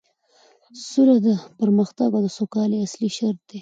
سوله د پرمختګ او سوکالۍ اصلي شرط دی